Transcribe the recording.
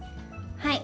はい。